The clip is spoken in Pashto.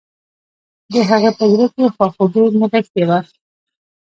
د هغې په زړه کې خواخوږي نغښتي وه